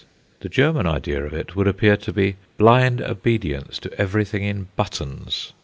The German idea of it would appear to be: "blind obedience to everything in buttons."